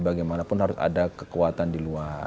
bagaimanapun harus ada kekuatan di luar